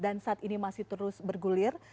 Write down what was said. dan saat ini masih terus bergulir